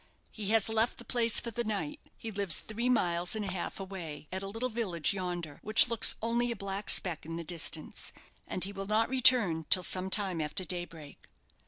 He has left the place for the night. He lives three miles and a half away, at a little village yonder, which looks only a black speck in the distance, and he will not return till some time after daybreak."